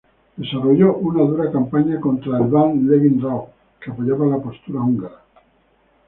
Desarrolló una dura campaña contra el ban Levin Rauch, que apoyaba la postura húngara.